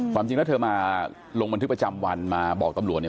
ความจริงแล้วเธอมาลงบันทึกประจำวันมาบอกตำรวจเนี่ย